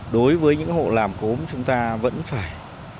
đối với những hộ làm cốm chúng ta vẫn phải